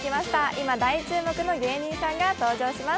今大注目の芸人さんが登場します。